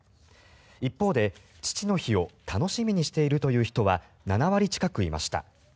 一方で、父の日を楽しみにしているという人は７割近くいました。